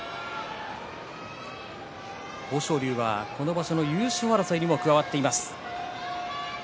豊昇龍はこの場所の優勝争いにも加わっています。